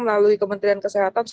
melalui kementerian kesehatan